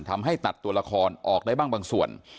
ทำให้ตัดตัวละครออกได้บ้างบางส่วน